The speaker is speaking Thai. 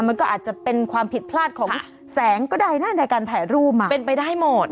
มันก็อาจจะเป็นความผิดพลาดของแสงก็ได้นะในการถ่ายรูปเป็นไปได้หมด